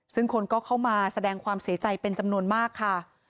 ซึ่งคนก็เข้ามาแสดงความเสียใจเป็นจำนวนมากค่ะ